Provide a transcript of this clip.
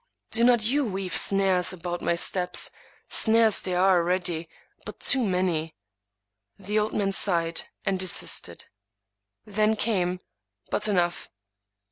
Do not you weave snares about my steps ; snares there are already, and but too many." The old man sighed, and desisted. Then came — But enough!